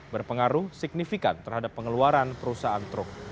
berpengaruh signifikan terhadap pengeluaran perusahaan truk